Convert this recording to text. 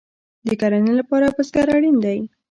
د کرنې لپاره بزګر اړین دی